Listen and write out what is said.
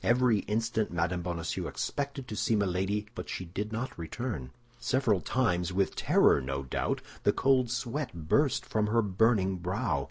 Every instant Mme. Bonacieux expected to see Milady, but she did not return. Several times, with terror, no doubt, the cold sweat burst from her burning brow.